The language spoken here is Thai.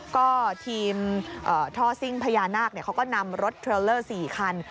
ก็ทีมเอ่อท่อสิ้งพญานาคเนี้ยเขาก็นำรถเทลเลอร์สี่คัน